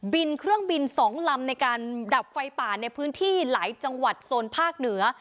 บินเครื่องบิน๒ลำในการดับไฟป่าในพื้นที่หลายจังหวัดโซนภาคเหนือ